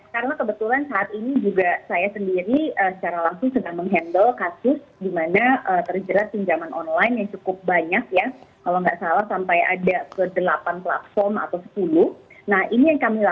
karena kebetulan saat ini juga saya sendiri secara langsung sedang menghandle kasus dimana terjerat pinjaman online yang cukup banyak ya